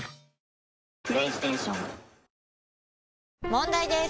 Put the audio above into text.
問題です！